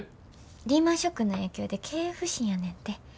リーマンショックの影響で経営不振やねんて。